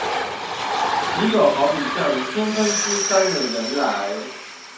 只有好比像千分之三的人來